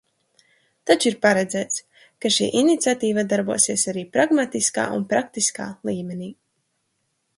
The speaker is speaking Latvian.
Taču ir paredzēts, ka šī iniciatīva darbosies arī pragmatiskā un praktiskā līmenī.